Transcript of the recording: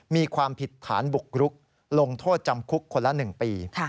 มีความผิดฐานบุกรุกลงโทษจำคุกคนละ๑ปี